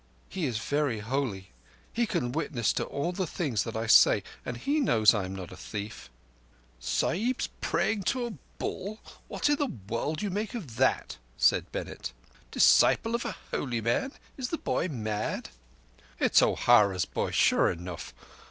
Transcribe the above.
He is very holy. He can witness to all the things I say, and he knows I am not a thief." "'Sahibs praying to a bull!' What in the world do you make of that?" said Bennett. "'Disciple of a holy man!' Is the boy mad?" "It's O'Hara's boy, sure enough.